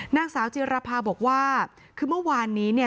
นางสาวจิรภาบอกว่าคือเมื่อวานนี้เนี่ย